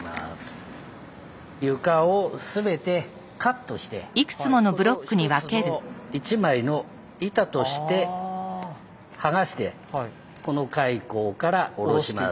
床を全てカットしてこれを一つの一枚の板として剥がしてこの開口から下ろします。